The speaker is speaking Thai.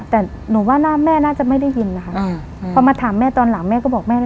แต่หนูว่าหน้าแม่น่าจะไม่ได้ยินนะคะพอมาถามแม่ตอนหลังแม่ก็บอกแม่เลย